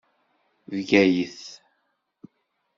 Bgayet.